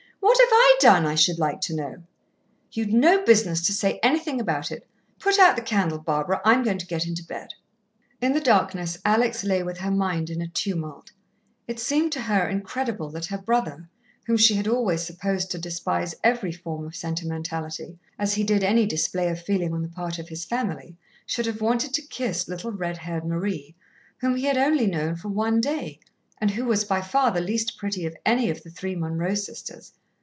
"What have I done, I should like to know?" "You'd no business to say anything about it. Put out the candle, Barbara, I'm going to get into bed." In the darkness Alex lay with her mind in a tumult. It seemed to her incredible that her brother, whom she had always supposed to despise every form of sentimentality, as he did any display of feeling on the part of his family, should have wanted to kiss little, red haired Marie, whom he had only known for one day, and who was by far the least pretty of any of the three Munroe sisters.